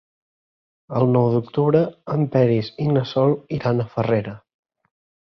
El nou d'octubre en Peris i na Sol iran a Farrera.